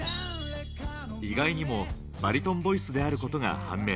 意外にも、バリトンヴォイスであることが判明。